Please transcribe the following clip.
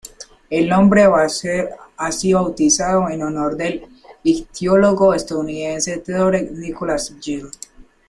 El nombre va ser así bautizado en honor del ictiólogo estadounidense Theodore Nicholas Gill.